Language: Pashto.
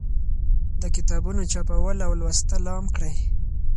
د کتابونو چاپول او لوستل عام کړئ.